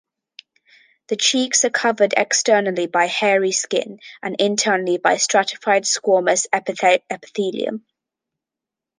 The cheeks are covered externally by hairy skin, and internally by stratified squamous epithelium.